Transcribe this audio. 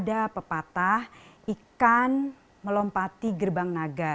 ada pepatah ikan melompati gerbang naga